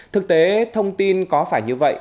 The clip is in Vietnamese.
thực tế thông tin có phải như vậy